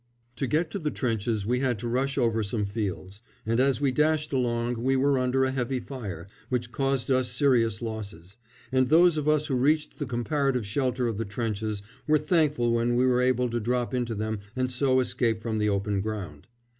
To get to the trenches we had to rush over some fields, and as we dashed along we were under a heavy fire, which caused us serious losses, and those of us who reached the comparative shelter of the trenches were thankful when we were able to drop into them and so escape from the open ground.